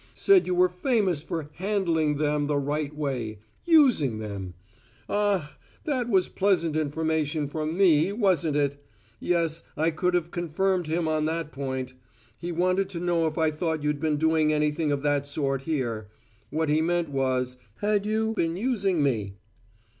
Said you were famous for `handling them the right way' using them! Ah, that was pleasant information for me, wasn't it! Yes, I could have confirmed him on that point. He wanted to know if I thought you'd been doing anything of that sort here. What he meant was: Had you been using me?"